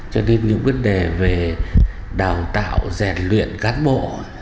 cho nên những vấn đề về đào tạo rèn luyện cán bộ